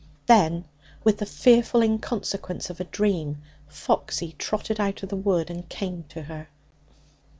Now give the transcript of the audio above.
Then, with the fearful inconsequence of a dream, Foxy trotted out of the wood and came to her.